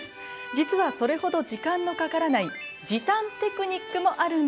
実はそれほど時間のかからない時短テクニックもあるんです。